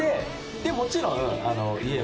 でもちろん。